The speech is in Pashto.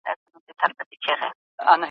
له توتکیو به وي تشې د سپرلي لمني